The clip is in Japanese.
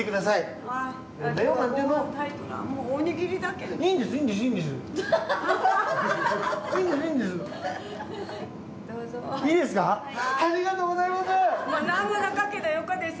ありがとうございます！